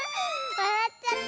わらっちゃった！